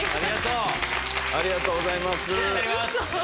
ありがとうございます。